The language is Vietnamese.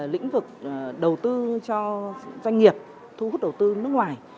lĩnh vực đầu tư cho doanh nghiệp thu hút đầu tư nước ngoài